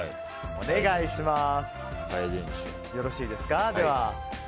お願いします。